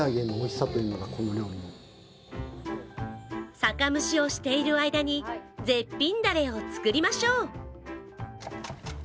酒蒸しをしている間に絶品ダレを作りましょう。